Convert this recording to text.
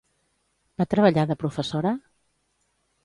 Va treballar de professora?